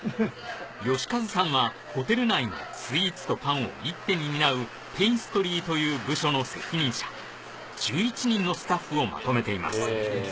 慶和さんはホテル内のスイーツとパンを一手に担うペイストリーという部署の責任者１１人のスタッフをまとめています